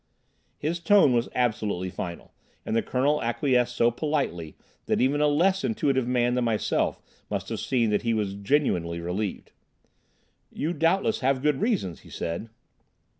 His tone was absolutely final, and the Colonel acquiesced so politely that even a less intuitive man than myself must have seen that he was genuinely relieved. "You doubtless have good reasons," he said.